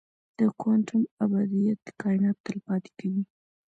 د کوانټم ابدیت کائنات تل پاتې کوي.